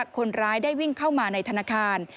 คนร้ายได้วิ่งเข้ามาในธนาคาร